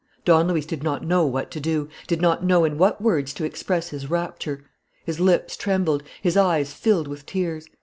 Don Luis did not know what to do, did not know in what words to express his rapture. His lips trembled. His eyes filled with tears.